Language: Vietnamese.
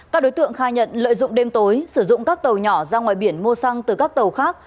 các đối tượng khai nhận lợi dụng đêm tối sử dụng các tàu nhỏ ra ngoài biển mua xăng từ các tàu khác